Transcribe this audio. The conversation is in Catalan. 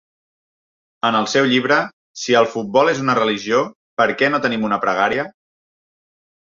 En el seu llibre "Si el futbol és una religió, per què no tenim una pregària?"